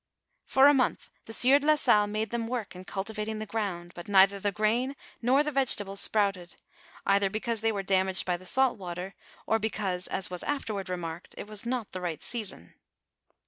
For a month the sieur de la Salle made them work in cultivating the ground ; but neither the grain nor the vegetables sprouted, either because they were dam aged by the salt water, or because, as was afterward re marked, it was not the right season.